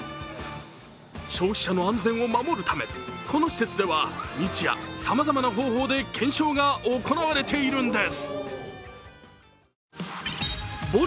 消費者の安全を守るためこの施設では日夜さまざまな方法で検証が行われているんです。